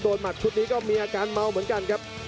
หมัดชุดนี้ก็มีอาการเมาเหมือนกันครับ